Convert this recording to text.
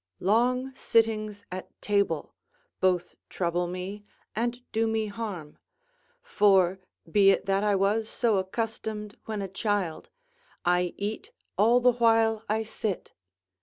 Long sittings at table both trouble me and do me harm; for, be it that I was so accustomed when a child, I eat all the while I sit.